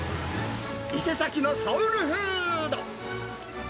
伊勢崎のソウルフード。